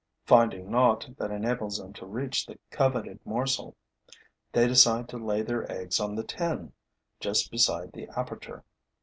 Finding naught that enables them to reach the coveted morsel, they decide to lay their eggs on the tin, just beside the aperture.